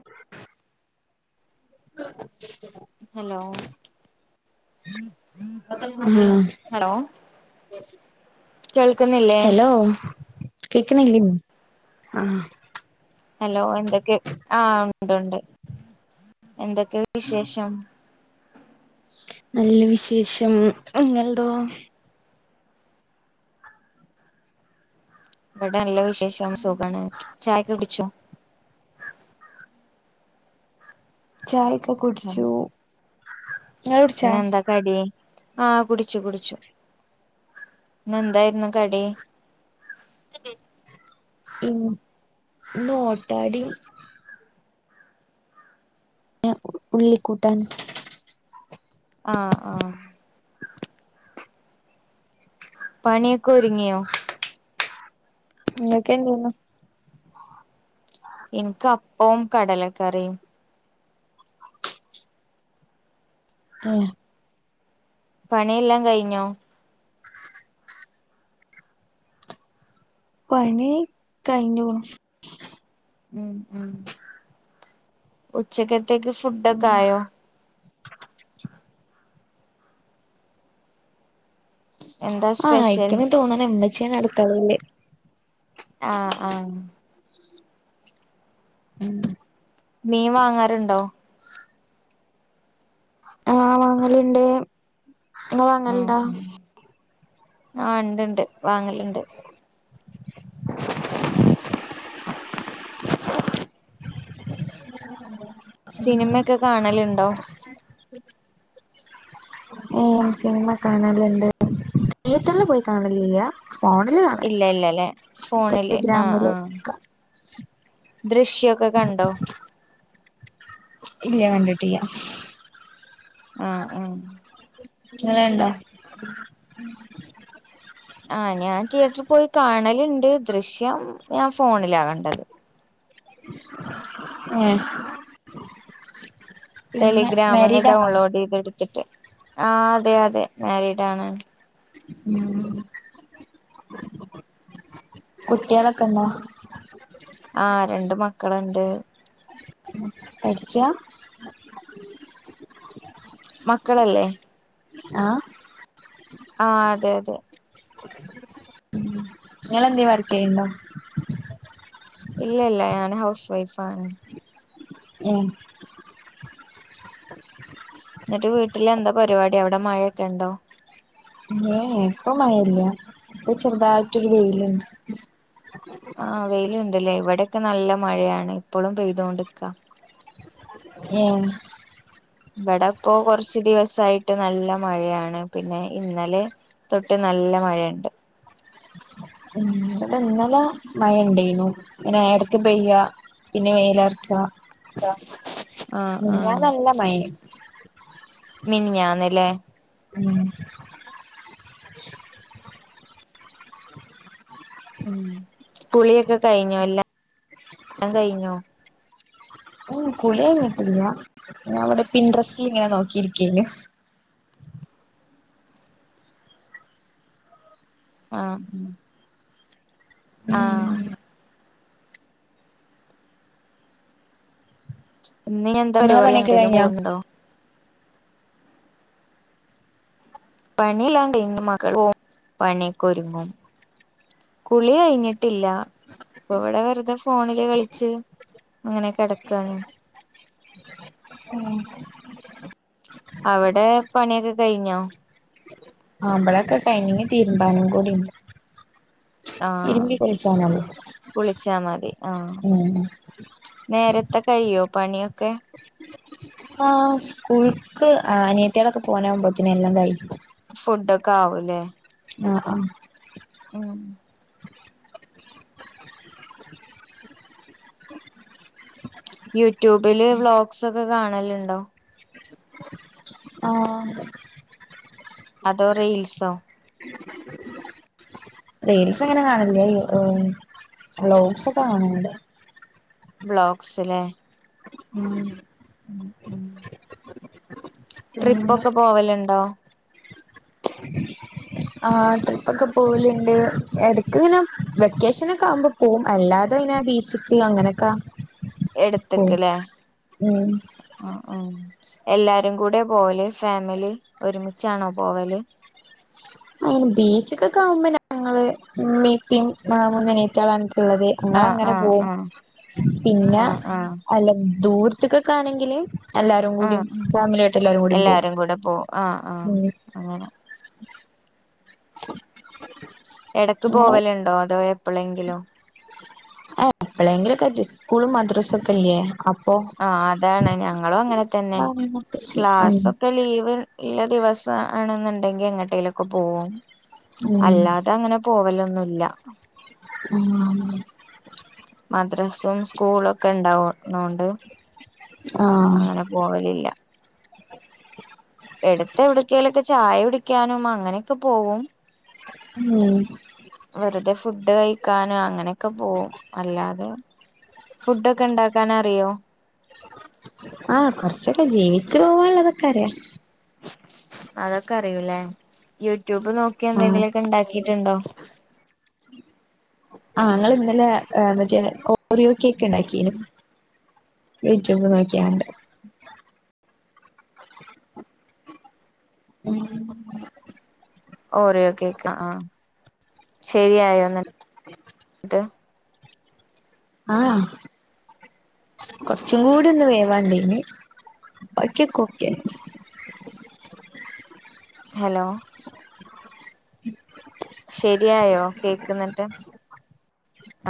[unintelligible] Hello ആഹ് hello കേൾക്കുന്നില്ലേ hello കേക്കുന്നില്ലേ ആഹ ഹലോ എന്തൊക്കെ ആഹ ഉണ്ട് ഉണ്ട് എന്തൊക്കെ വിശേഷം നല്ല വിശേഷം ഇങ്ങൾതോ ഇവിടെ നല്ല വിശേഷം സുഖാണ് ചായക്കെ കുടിച്ചോ? ചായൊക്കെ കുടിച്ചു നിങ്ങൾ കുടിച്ചാ പിന്നെന്താ കടി ആഹ് കുടിച്ചു കുടിച്ചു ഇന്ന് എന്തായിരുന്നു കടി ഇന് ഇന്ന് ഓട്ടാടിം ഉള്ളിക്കൂട്ടാനും ആഹ ആഹ പണിയൊക്കെ ഒരുങ്ങിയോ ഇങ്ങക്ക് എന്തെന്നു ഇനിക്ക് അപ്പവും കടലക്കറിയും ഹെ പണിയെല്ലാം കഴിഞ്ഞോ പണി കയ്ഞ്ഞുണു ഉച്ചക്കത്തേക്ക് ഫുഡൊക്കെ ആഹ് ആയോ എന്താ ആ സ്പെഷ്യൽ ആയിക്ക്ണ് തോന്ന്ണ് മ്മച്ചിയാണ് അട്ക്കളേൽ ആഹ് ആഹ് [unintelligible] മീൻ വാങ്ങാറുണ്ടോ [inaudible] ആഹ് വാങ്ങല്ണ്ട് ഉം ഉം ആഹ് ണ്ട് ണ്ട് വാങ്ങല്ണ്ട് [unintelligible] സിനിമക്കെ കാണല്ണ്ടോ ഏഹ് സിനിമ കാണല്ണ്ട് തിയേറ്ററില് പോയി കാണലില്ല ഫോണില് കാണല് ഇല്ല ഇല്ലല്ലെ ഫോണില് ആഹ് ടെലഗ്രാമില് ആഹ് ഒക്ക ദൃശ്യൊക്കെ കണ്ടോ ഇല്ല കണ്ടിട്ടിയ്യ ആഹ് ആഹ് ങ്ങൾണ്ടോ ഉം ആഹ് ഞാൻ തിയേറ്റർ പോയി കാണല്ണ്ട് ദൃശ്യം ഞാൻ ഫോണിലാകണ്ടത് ഏഹ് പിന്നെ ടെലിഗ്രാംന്ന് മാരീഡാണോ ഡൗൺലോഡീതിട്ത്തിട്ട് ആ അതെ അതെ മാരീഡാണ് ഉം കുട്ട്യേളൊക്കെണ്ടോ ആഹ് രണ്ട് മക്കള്ണ്ട് പട്ച്ച മക്കളല്ലേ ആഹ് ആഹ് അതെ അതെ ഉം എങ്ങളെന്തേ വർക്കിയ്യൽണ്ടോ ഇല്ല ഇല്ല ഞാന് ഹൗസ് വൈഫ് ആണ് ഏഹ് ന്നിട്ട് വീട്ടിൽ എന്താ പരിവാടി അവ്ടെ മഴൊക്കെണ്ടോ ഏഹ് ഏഹ് പ്പൊ മഴല്ല പ്പൊ ചെർതായിട്ടൊരു വെയില്ണ്ട് ആഹ് വെയില്ണ്ട്ലെ ‌ഇവടക്കെ നല്ല മഴയാണ് ഇപ്പളും പെയ്തോണ്ട്ക്ക ഏഹ് ബടെപ്പോ കൊർച്ച് ദിവസായിട്ട് നല്ല മഴയാണ് പിന്നെ ഇന്നലെ തൊട്ട് നല്ല മഴണ്ട് ഉം ബടെ ഇന്നല മഴ ഉണ്ടേനു ങ്ങനെ എടക്ക് പെയ്യ പിന്നെ വേലർച്ച ആഹ് ആഹ് മിന്നാന്ന് നല്ല മഴെന്നു മിനിഞ്ഞാന്ന്ലെ ഉം ഉം കുളിയൊക്കെ കഴിഞ്ഞോ എല്ലാം എല്ലാം കയ്ഞ്ഞോ ഉം കുളിഎയ്ഞ്ഞിട്ടില്ല ഞാവടെ പിന്ട്രെസ്റ്റിൽ ഇങ്ങനെ നോക്കിരിക്കെന്നു ആഹ് ഉം ഉം ആഹ് ഇന്നിനി എന്താ നിങ്ങളെ പരിവാടി പണിയൊക്കെ എങ്ങട്ടേലും കഴിഞ്ഞോ പോകുന്ന്ണ്ടോ പണില്ലങ്കെയ്ന് ഹ മകൾ പണ്യോക്കൊരുങ്ങും കുളി കെയ്ഞ്ഞിട്ടില്ല പ്പൊവടെ വെർതെ ഫോണില് കളിച്ച് അങ്ങനെ കെടക്കാണ് ഉം അവടെ പണ്യോക്കെ കെയ്ഞ്ഞോ ആമ്പളൊക്കെ കഴിഞ്ഞ് തീരുമ്പാനും കൂടിണ്ട് ആഹ തിരുമ്പി കുളിച്ചാനായി കുളിച്ചാ മതി ആഹ ഉം നേരത്തെ കഴിയോ പണിയൊക്കെ ആ് സ്കൂൾക്ക് അനിയത്തടൊക്കെ പോനാവകുമ്പോത്തന എല്ലാം കഴിക്കും ഫുഡക്കെ ആവൂലേ ആഹ ആഹ അഹ് യൂട്യൂബില് വ്ളോഗ്സ് ഒക്കെ കാണല് ഇണ്ടോ ആഹ് അതോ റിയീൽസോ [inaudible] റീൽസ് അങ്ങനെ കാണ് ണില്ല വ്ളോഗ്സ് ഒക്കെ കാണേണ്ട് ബ്ലോക്സിലെ ആഹ് ഉം ഉം ട്രിപ്പ് പിന്നെ ഒക്കെ പോവല്ണ്ടോ അ ആഹ് ട്രിപ്പ് ഒക്കെ പോവല്ണ്ട്. എടക്ക് ഇങ്ങനെ വെക്കേഷനൊക്കെ ആവുമ്പോ പോവും അല്ലാതെ ഇനെ ബീച്ച്ക്ക് അങ്ങനൊക്ക പോവും ഉം അഹ് ആഹ് എല്ലാരും കൂടെ പോവല്. ഫാമിലി ഒരുമിച്ചാണോ പോവല് അങ്ങനെ ബീച്ച്ക്കെക്കെ ആവുമ്പോ ഞങ്ങള് ഇമ്മീ ഇപ്പി മുന്നനിയത്ത്യേളാ ഇൻക്ക് ഇള്ളത്. അങ്ങള് ആഹ് അങ്ങനെ ആഹ് പോവും. ആഹ് പിന്നെ ആഹ് ആഹ് അല്ല ദൂരത്ത്ക്ക്ക്കാണെങ്കില് എല്ലാരും കൂടിം ആഹ് ആഹ് ഫാമിലി ആയിട്ട് എല്ലാരും കൂടിം പോകും കൂടെ പോവും ആഹ് ആഹ് ഉം അങ്ങനെ [inaudible] എടക്ക് നിങ്ങള് പോവല് ഇണ്ടോ. അതോ എപ്പളെങ്കിലൊ [unintelligible] ഹ്പ്പ എപ്പേളയ്ങ്കിലൊക്കെ ആയിട്ട് സ്കൂളും മദ്രസൊക്കെ ഇല്ലേ ആഹ് അതാണ് ഞങ്ങളും അങ്ങനെ തന്നെ അതിനനുസരിച്ച് ഉം ക്ലാസൊ ഇപ്പ ലീവ് ഇല്ല ദിവസ ആണെന്ന്ണ്ടെങ്കി എങ്ങട്ടേലൊക്കെ പോവും ഉം അല്ലാതെ അങ്ങനെ പോവലൊന്നുല്ല ഉം മദ്രസും സ്കൂളു ഒക്കെ ഇണ്ടാവ് ണോണ്ട് ആഹ് അങ്ങനെ പോവലില്ല എടുത്തെ എവിടുക്കേയിലൊക്കെ ചായ കുടിക്കാനും അങ്ങനെയൊക്കെ പോവും ഉം വെറുതെ ഫുഡ് കഴിക്കാനും അങ്ങനെയൊക്കെ പോവും അല്ലാതെ ഫുഡൊഒക്കെ ഇണ്ടാക്കാനറിയോ ആഹ് കൊറ്ച്ചൊക്കെ. ജീവിച്ചു പോവാ ഇള്ളതൊക്കെ അറിയ അതൊക്കെ അറിയൂലേ. യൂട്യൂബ് നോക്കി ആഹ് എന്തെങ്കിലൊക്കെ ഇണ്ടാക്കീട്ടുണ്ടോ ആഹ് ഇങ്ങള് ഇന്നലെ മറ്റേ ഓറിയോക്കേക്ക് ഇണ്ടാക്കിനു യൂടൂബ് നോക്ക്യാണ്ട് ഉം ഓറിയോ കേക്ക് ആഹ് ശെരിയായോ ഇന്നട്ട് ആഹ്ആഹ് കൊറ്ച്ചും കൂടി ഒന്ന് വേവാണ്ടയ്ന് ബാക്ക്യാെ ക്കെ ഓക്കെ ഹലോ ശെരിയായോ കേക്ക്ന്നട്ട്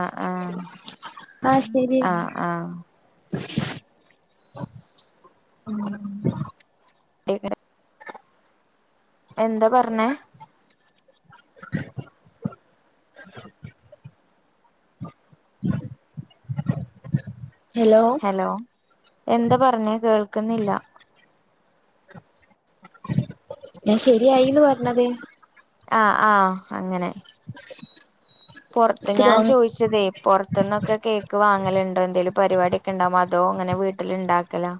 ആഹ് ആഹ് ആഹ് ശരി ആഹ് ആഹ് ഉം ഡെയ്കരം എന്ത പറ്ഞ്ഞേ ഹലോ ഹലോ എന്താ പറ്ഞ്ഞേ കേൾക്കുന്നില്ല ഞാൻ ശരിയായിന്ന് പറ്ഞ്ഞത് ആഹ് ആഹ് അങ്ങനെ പൊറ്ത്ത് ഇക്ക് ഞാൻ തോന്ന് ചോയ്ച്ച ച്ചതേ പൊറത്ത്ന്നൊക്കെ കേക്ക് വാങ്ങല്ണ്ടോ, എന്തേലും പരിപാട്യാെക്കെ ഇണ്ടാവുമ്പോ അതോ ഇങ്ങനെ വീട്ടില് ഇണ്ടാക്കല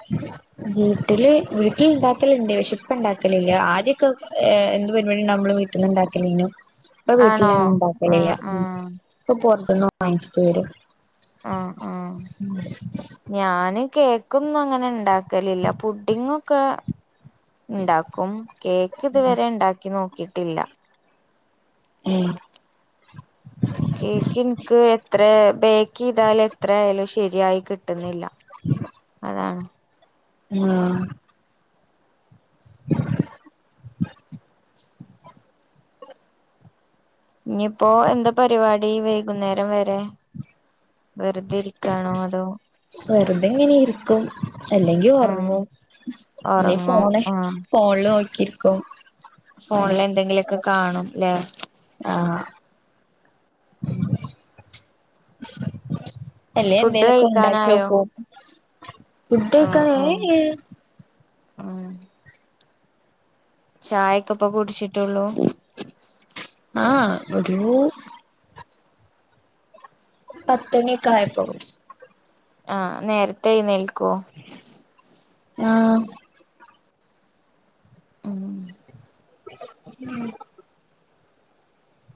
[unintelligible] വീട്ടില് വീട്ടിൽ ഇണ്ടാക്കല്ണ്ട് പക്ഷെ ഇപ്പ ഇണ്ടാക്കലില്ല ആദ്യൊക്കെ എന്ത് പരിപാടി ഉണ്ടാവുമ്പളും വീ വീട്ടിന്ന് ഇണ്ടാക്കലീനു ഇപ്പൊ ആണോ വീട്ടിലങ്ങനെ ഇണ്ടാക്കലില്ല ആഹ് ഉം ആഹ് ഇപ്പൊ പുറത്തുന്ന് വാങ്ങിച്ചിട്ട് വരും. ആഹ് ആഹ് ഞാന് കേക്കൊന്നും അങ്ങനെ ഇണ്ടാക്ക ക്കലില്ല പുഡ്ഡിങ്ങ് ഒക്കെ ഇണ്ടാക്കും കേക്ക് ഇതുവരെ ഇണ്ടാക്കി നോ ക്കിട്ടില്ല ഉം കേക്ക് എന്ക്ക് എത്ര ബേക്കെയ്താല് എത്ര ആയാലും ശരിയായി കിട്ടുന്നില്ല അതാണ് ആഹ് [inaudible] ഇനിയിപ്പോ എന്താ പരുപാടി വൈകുന്നേരം വരെ വെറുതെ ഇരിക്കാണോ അതോ വെറുതെങ്ങനെ ഇർക്കും അല്ലെങ്കി ഉം ഒറങ്ങും പിന്നെ ഉറങ്ങും ഫോണെ ഉം ഫോണ്ല് നോക്കിരിക്കും ഫോണിലെന്തെങ്കിലൊക്കെ കാണും ല്ലേ ആഹ് ഉം അല്ലേ ഫുഡ് എന്തേലൊക്കെ കഴിക്കാനായോ ഉണ്ടാക്കിയോക്കും ആഹ് ആഹ് ആഹ് ചായക്കെ ഇപ്പൊ കുടിച്ചിട്ടുള്ളൂ ആഹ് ഒരു പത്തണിയക്കെ ആയപ്പോ കുടിച്ച് ആ നേരത്തെ എഴ്ന്നേൽക്കുവോ ആഹ് ഉം ഉം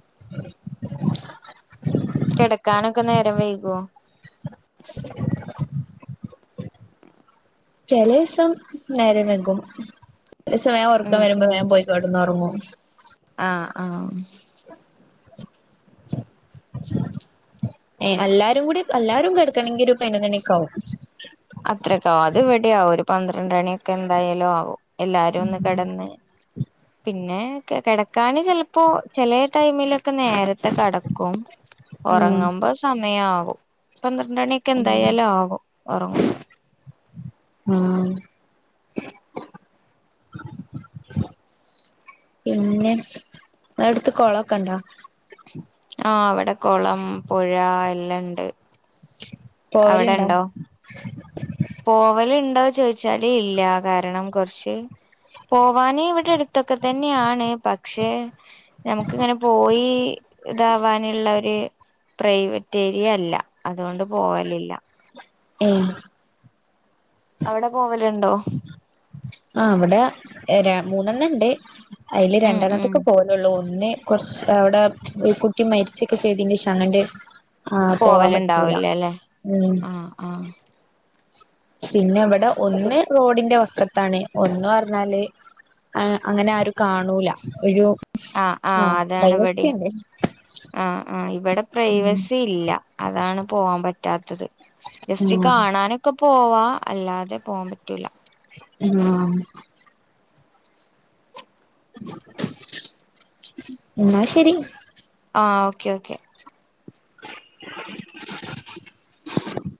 [unintelligible] കെടക്കാനൊക്കെ നേരം വൈകുവോ [unintelligible] ചെല ഈസം നേരം വൈകും സ്വയം ഒറക്കം ഉം വരുമ്പോ ഉം വേഗം പോയിക്കെടക്കും ന്നൊറങ്ങും ആഹ് ആഹ് [unintelligible] ഏ അല്ലാരും കൂടി അല്ലാരും കിടക്കണെങ്കി ഒരു പതിനൊന്നു മണിയൊക്കെ ആവും. അത്രയൊക്കെ ആവും അത് ഇവിടെയാവും ഒരു പന്ത്രണ്ടണിയൊക്കെ എന്തായാലും ആവും. എല്ലാരും ഒന്ന് കെടന്ന് പിന്നെ കെടക്കാന് ചെലപ്പോ ചെല ടൈമിലൊക്കെ നേരത്തെ കെടക്കും. ഉം ഒറങ്ങുമ്പോ സമയം ആവും പന്ത്രണ്ടണിയൊക്കെ എന്തായാലും ആവും ഒറങ്ങുമ്പം ആഹ് പിന്നെ അടുത്ത് കൊളൊക്കെ ഒണ്ടോ ആഹ് ഇവിടെ കൊളം പുഴ എല്ലാ ഇണ്ട്. അവിടെ പോവലുണ്ടോ ഇണ്ടോ പോവല്ണ്ടോ ചോദിച്ചാല് ഇല്ല കാരണം കൊർച്ച് പോവാന് ഇവിടെ അടുത്തൊക്കെ തന്നെയാണ് പക്ഷേ ഞമുക്ക് ഇങ്ങനെ പോയി ഇതാവാനുള്ളൊര് പ്രൈവറ്റ് ഏരിയല്ല അതോണ്ട് പോവലില്ല. ഏഹ് അവിടെ പോകല്ണ്ടോ? ആഹ് ഇവടെ മൂന്നെണ്ണംണ്ട് അയ്ല് ഉം ഉം രണ്ടെണ്ണത്ത്ക്ക് പോ ന്നൊള്ളൂ ഒന്ന്കൊർച്ച് അവ്ടെ ഒര്കുട്ടി മരിച്ചൊക്കെചെയ്തിന്റെശംഅങ്ങട് ആഹ് പോവാൻപറ്റൂല പോവലുണ്ടാവില്ല അല്ലെ ഉം ആഹ് ആഹ് പിന്നെഇവടെ ഒന്ന്റോഡിന്റെ വക്കത്താണ്. ഒന്ന്പറഞ്ഞാല് ഏഅങ്ങനെ ആരും കാണൂലഒരു ആഹ് ഒരുപ്രൈവസിയുണ്ട്. ആഹ് ആഹ് ഇവടെ ഉം പ്രൈവസില്ല അതാണ് പോവാൻപറ്റാത്തത്. ജെസ്റ്റ് ആഹ് കാണാനൊക്കെപോവാ അല്ലാതെ പോവാൻപറ്റൂല ഉം ഇന്നാ ശെരി ആഹ് ഓക്ക, ഓക്കെ [unintelligible]